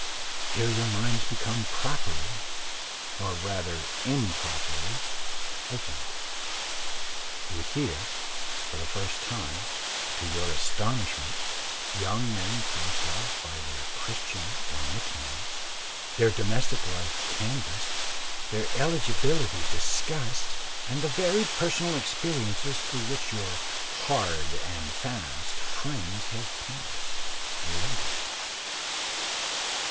Here your minds become properly, or rather improperly, opened. You hear, for the first time, to your astonishment, young men talked of by their Christian or nick names their domestic life canvassed, their eligibility discussed, and the varied personal experiences through which your "hard and fast" friends have passed, related.